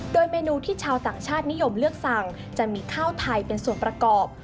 โดยเมนูที่ชาวต่างชาตินิยมเลือกสั่งจะมีข้าวไทยเป็นส่วนประกอบ